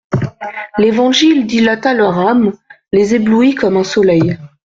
L'Évangile dilata leur âme, les éblouit comme un soleil.